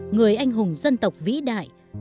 người anh hùng dân tộc vĩ đại